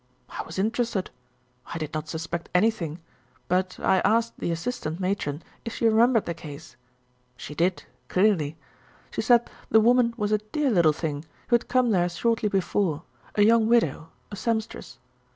I was interested. I did not suspect anything, but I asked the assistant matron if she remembered the case. She did, clearly. She said the woman was a dear little thing, who had come there shortly before, a young widow, a seamstress.